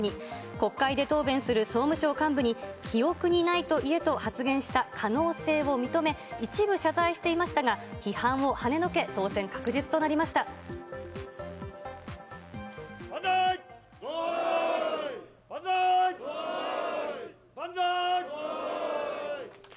国会で答弁する総務省幹部に、記憶にないと言えと発言した可能性を認め、一部、謝罪していましたが、批判をはねのけ、当選確実万歳！